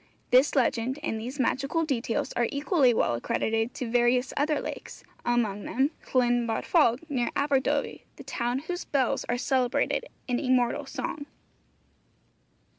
This legend and these magical details are equally well accredited to various other lakes, among them Llyn Barfog, near Aberdovey, the town whose 'bells' are celebrated in immortal song.